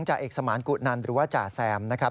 จ่าเอกสมานกุนันหรือว่าจ่าแซมนะครับ